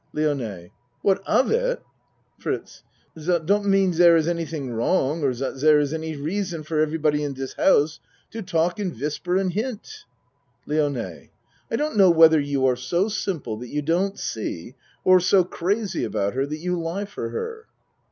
LIONE What of it? FRITZ Dot don't mean der is anything wrong or dot dere iss any reason for everybody in de house to talk and whisper and hint. LIONE I don't know whether you are so simple that you don't see or so crazy about her that you lie for her.